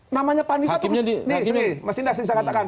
namanya panitera tuh nih nih mas indah saya katakan